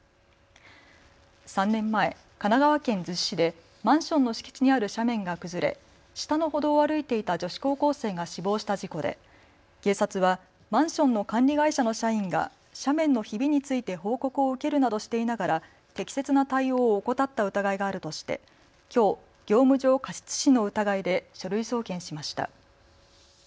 ３年前、神奈川県逗子市でマンションの敷地にある斜面が崩れ、下の歩道を歩いていた女子高校生が死亡した事故で警察はマンションの管理会社の社員が斜面のひびについて報告を受けるなどしていながら適切な対応を怠った疑いがあるとしてきょう業務上過失致死の疑いで書類送検しました。